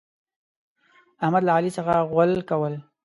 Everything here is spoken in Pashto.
احمد له علي څخه غول کول.